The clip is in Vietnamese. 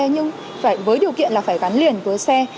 nhưng với điều kiện là phải gắn liền với xe